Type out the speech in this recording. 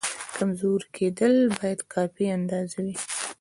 کمزوری کېدل باید کافي اندازه وي.